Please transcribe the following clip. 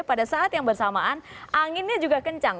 pada saat yang bersamaan anginnya juga kencang